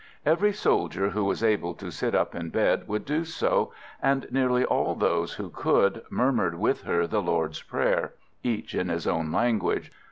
Every soldier who was able to sit up in bed would do so, and nearly all those who could, murmured with her the Lord's Prayer, each in his own language.